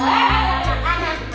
ada apa mik